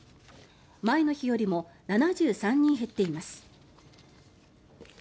前の日よりも７３人減っています。